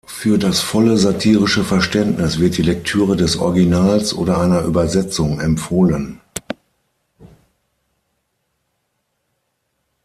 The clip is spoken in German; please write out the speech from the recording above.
Für das volle satirische Verständnis wird die Lektüre des Originals oder einer Übersetzung empfohlen.